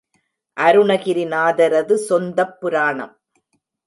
அருணகிரிநாதரது சொந்தப் புராணம்.